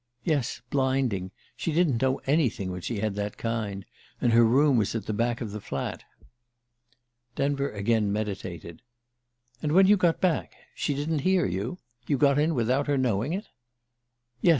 "Yes blinding. She didn't know anything when she had that kind. And her room was at the back of the flat." Denver again meditated. "And when you got back she didn't hear you? You got in without her knowing it?" "Yes.